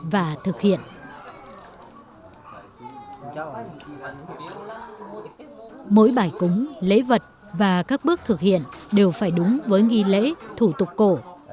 mỗi bài cúng lễ vật và các bước thực hiện đều phải đúng với nghi lễ thủ tục cổ